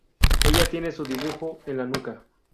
Ella tiene su dibujo en la nuca.